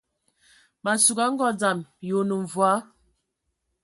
Ma sug a ngɔ dzam, yi onə mvɔí ?